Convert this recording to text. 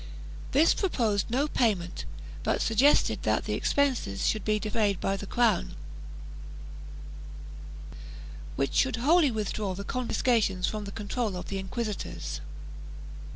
This proposed no payment, but suggested that the expenses should be defrayed by the crown, which should wholly withdraw the confiscations from the control of the inquisitors.